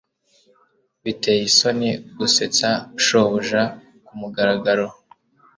Biteye isoni gusetsa shobuja kumugaragaro.